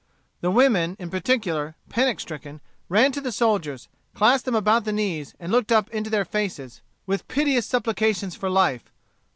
The women in particular, panic stricken, ran to the soldiers, clasped them about the knees, and looked up into their faces with piteous supplications for life.